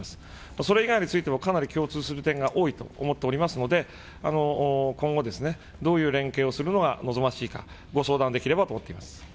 それ以外についても、かなり共通する点が多いと思っておりますので、今後、どういう連携をするのが望ましいか、ご相談できればと思っています。